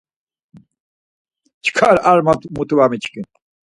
Çkva ar mutu va miçkin.